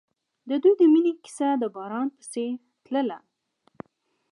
د دوی د مینې کیسه د باران په څېر تلله.